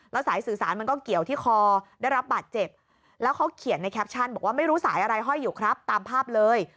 แล้วสายสื่อสารมันก็เกี่ยวที่คอได้รับบาดเจ็บแล้วเขาเขียนในแคปชั่นบอกว่าไม่รู้สายอะไรห้อยอยู่ครับตามภาพเลย